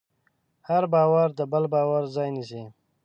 هر باور د بل باور ځای نيسي.